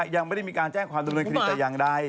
ยังไม่ได้มีการแจ้งความดำเนินคดีแต่อย่างใด